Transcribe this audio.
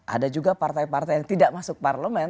ada juga partai partai yang tidak masuk parlemen